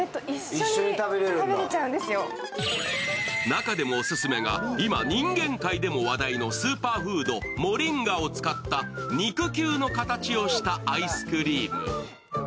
中でもオススメが、今、人間界でもオススメのスーパーフードモリンガを使った肉球の形をしたアイスクリーム。